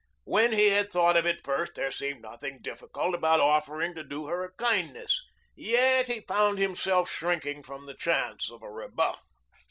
When he had thought of it first there seemed nothing difficult about offering to do her a kindness, yet he found himself shrinking from the chance of a rebuff.